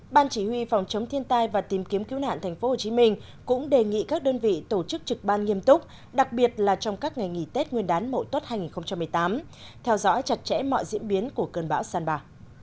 ban chỉ huy phòng chống thiên tai và tìm kiếm cứu nạn tp hcm cũng đề nghị các đơn vị tổ chức trực ban nghiêm túc đặc biệt là trong các ngày nghỉ tết nguyên đán mậu tuất hai nghìn một mươi tám theo dõi chặt chẽ mọi diễn biến của cơn bão sàn ba